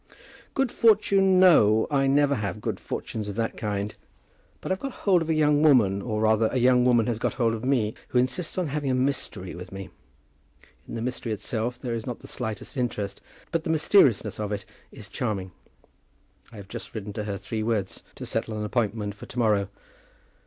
"Good fortune; no. I never have good fortunes of that kind. But I've got hold of a young woman, or rather a young woman has got hold of me, who insists on having a mystery with me. In the mystery itself there is not the slightest interest. But the mysteriousness of it is charming. I have just written to her three words to settle an appointment for to morrow.